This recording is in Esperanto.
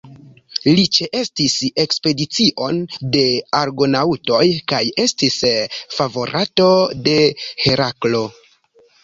Li ĉeestis ekspedicion de Argonaŭtoj kaj estis favorato de Heraklo.